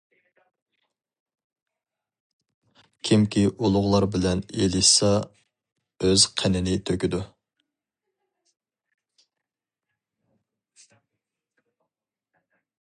كىمكى ئۇلۇغلار بىلەن ئېلىشسا ئۆز قېنىنى تۆكىدۇ.